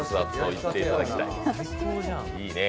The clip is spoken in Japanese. いいね。